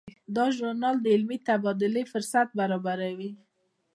دا ژورنال د علمي تبادلې فرصت برابروي.